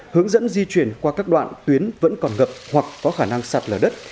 hướng dẫn di chuyển qua các đoạn tuyến vẫn còn ngập hoặc có khả năng sạt lở đất